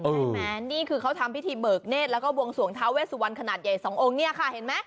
นี่คือเขาทำพิธีเบิกเนธแล้วก็บวงสวงท้าเวสวันขนาดใหญ่สององค์เนี่ยค่ะเห็นไหม